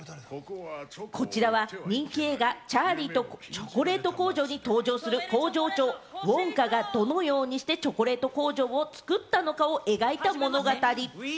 こちらは、人気映画『チャーリーとチョコレート工場』に登場する工場長・ウォンカがどのようにしてチョコレート工場を作ったのかを描いた物語。